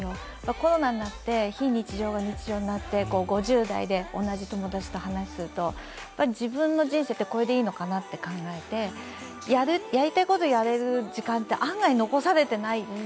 コロナになって非日常が日常になって５０代で同じ友達と話すと自分の人生ってこれでいいのかなって考えて、やりたいことやれる時間って、案外残されてない。